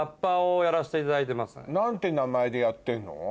何て名前でやってんの？